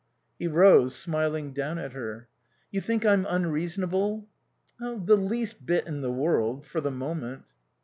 He rose, smiling down at her. "You think I'm unreasonable?" "The least bit in the world. For the moment."